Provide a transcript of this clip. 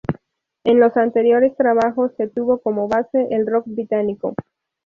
En los anteriores trabajos, se tuvo como base el Rock británico.